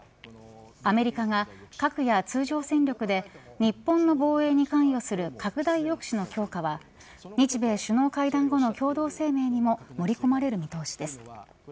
アメリカが核や通常戦力で日本の防衛に関与する拡大抑止の強化は日米首脳会談後の共同声明にも盛り込まれる見通しです。